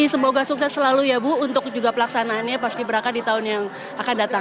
semoga sukses selalu ya bu untuk juga pelaksanaannya paski beraka di tahun yang akan datang